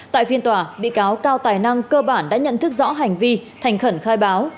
tại phiên tòa bị cáo cao tài năng cơ bản đã nhận thức rõ hành vi thành khẩn khai báo